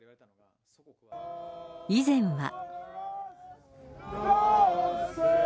以前は。